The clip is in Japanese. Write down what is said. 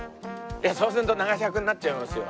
いやそうすると長尺になっちゃいますよ。